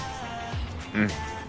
うん。